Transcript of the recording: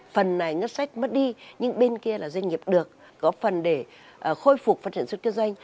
phần này ngân sách mất đi nhưng bên kia là doanh nghiệp được góp phần để khôi phục phát triển xuất kinh doanh